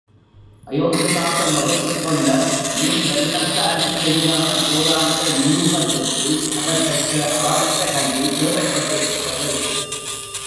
அயோத்திதாசர் வகுத்துக் கொண்ட மேல் வருணத்தாருக்கெதிரான போராட்ட வியூகத்திற்கு அவர் பெற்ற அளவற்ற கல்வி தேவைப்பட்டிருக்கிறது.